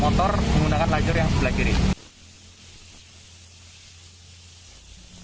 motor menggunakan lajur yang sebelah kiri